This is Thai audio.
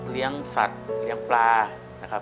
เลี้ยงสัตว์เลี้ยงปลานะครับ